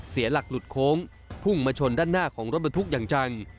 เสียหลักหลุดโค้งพุ่งมาชนด้านหน้าของรถบรรทุกอย่างจัง